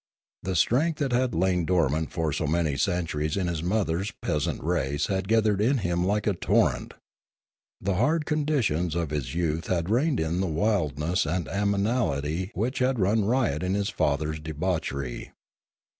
The strength that had lain dormant for so many centuries in his mother's peasant race had gathered in him like a torrent. The hard conditions of his youth had reined in the wildness and animality which had run riot in his father's debauchery.